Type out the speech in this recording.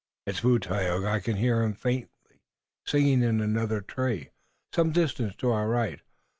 "It's food, Tayoga; I can hear him, faintly, singing in another tree, some distance to our right.